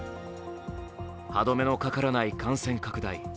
歯止めのかからない感染拡大。